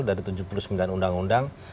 dan ada tujuh puluh sembilan undang undang